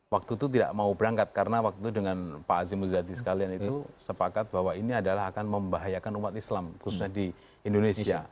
waktu itu tidak mau berangkat karena waktu itu dengan pak azim muzadi sekalian itu sepakat bahwa ini adalah akan membahayakan umat islam khususnya di indonesia